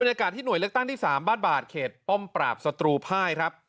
ยากาศที่หน่วยเลือกตั้งที่๓บ้านบาดเขตป้อมปราบศัตรูภายครับ